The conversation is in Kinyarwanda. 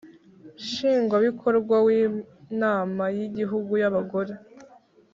Nshingwabikorwa w Inama y Igihugu y Abagore